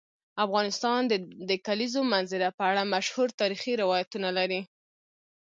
افغانستان د د کلیزو منظره په اړه مشهور تاریخی روایتونه لري.